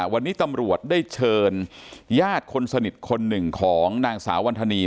วันนี้ตำรวจได้เชิญญาติคนสนิทคนหนึ่งของนางสาววันธนี